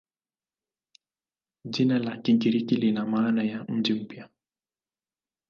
Jina la Kigiriki lina maana ya "mji mpya".